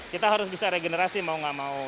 kita harus bisa regenerasi mau gak mau